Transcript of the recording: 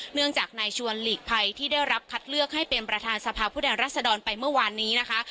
เนื่องจากนายชวนหลีกภัยที่ได้รับคัดเลือกให้เป็นประธานสภาพผู้แทนรัศดรไปเมื่อวานนี้นะคะ